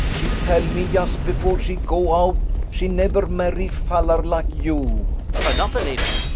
She tal me yust before she go out she never marry fallar like you. BURKE I'll not believe it.